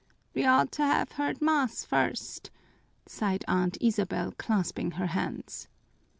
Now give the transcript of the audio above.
"We ought to have heard mass first," sighed Aunt Isabel, clasping her hands.